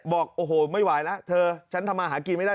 บอกโอ้โหไม่ไหวแล้วเธอฉันทำมาหากินไม่ได้